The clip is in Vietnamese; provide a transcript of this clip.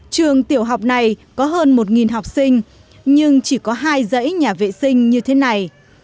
trường tiểu học này có hơn một học sinh nhưng chỉ có hai dãy nhà vệ sinh như thế này